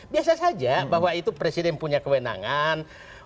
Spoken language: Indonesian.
biasa saja bahwa itu presiden punya kewenangan